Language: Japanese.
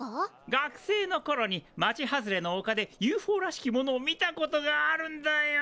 学生のころに町外れのおかでＵＦＯらしきものを見たことがあるんだよ。